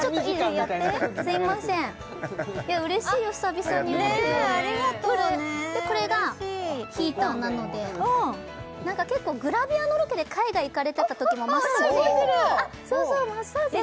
やってうれしいよ久々に会えてねぇありがとうねうれしいこれがヒーターなので結構グラビアのロケで海外行かれてたときもマッサージあっ！